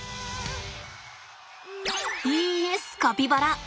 イエスカピバラ！